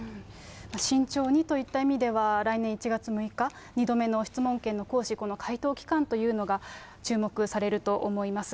慎重にといった意味では、来年１月６日、２度目の質問権の行使、この回答というのが注目されると思います。